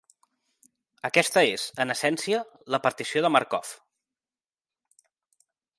Aquesta és, en essència, la partició de Markov.